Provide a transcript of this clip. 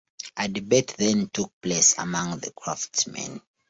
A debate then took place among the craftsmen.